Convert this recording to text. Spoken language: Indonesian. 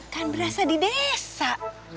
kan berasa di desa